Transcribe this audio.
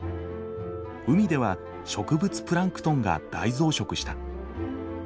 海では植物プランクトンが大増殖した。